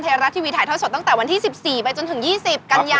ไทยรัฐทีวีถ่ายทอดสดตั้งแต่วันที่๑๔ไปจนถึง๒๐กันยา